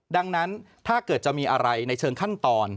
ดังนั้นถ้าเกิดจะมีอะไรในเชิงขั้นตอน